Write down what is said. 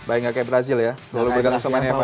baik gak kayak brazil ya kalau bergantung sama neymar